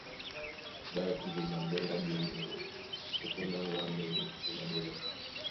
Ɓá yɔkí jomba mboŋga a ɓeyɛŋgɛ́ŋgɛ́ ó póndá ŋgɔ̌ á mbɛŋgɛ é māɓɛ́nɔ̄.